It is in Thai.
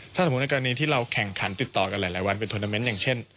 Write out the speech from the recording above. ถ้าสมมุติในกรณีที่เราแข่งขันติดต่อกันหลายวันเป็นทวนาเมนต์อย่างเช่น